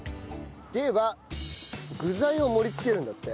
では具材を盛りつけるんだって。